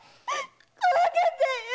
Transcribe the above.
怖かったよ‼